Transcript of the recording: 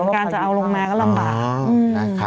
การจะเอาลงมาก็ลำบาก